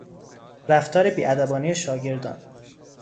رفتار بیادبانهی شاگردان